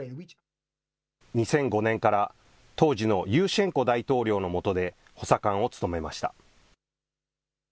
２００５年から当時のユーシェンコ大統領のもとで補佐官を務めました。